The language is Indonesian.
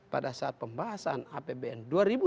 pada saat pembahasan apbn dua ribu sembilan belas